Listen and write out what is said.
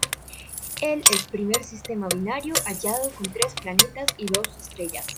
Él es primer sistema binario hallado con tres planetas y dos estrellas.